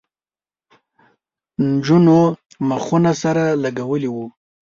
نجونو مخونه سره لگولي وو.